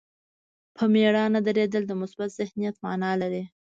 په مېړانه درېدل د مثبت ذهنیت معنا لري.